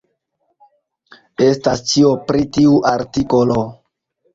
Estas ĉio pri tiu artikolo.